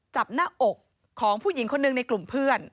จับหน้าอกของผู้หญิงคนหนึ่งในกลุ่มเพื่อน